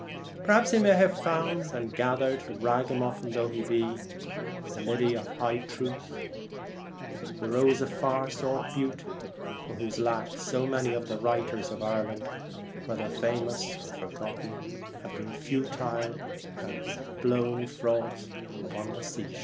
Perhaps he may have found and gathered, ragamuffin though he be, the Lily of High Truth, the Rose of Far sought Beauty, for whose lack so many of the writers of Ireland, whether famous or forgotten, have been futile as the blown froth upon the shore.